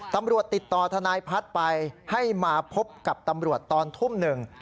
ตำรวจติดต่อทนายพัฒน์ไปให้มาพบกับตำรวจตอนทุ่มหนึ่ง